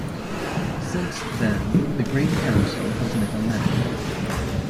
Since then the Great Council has never met.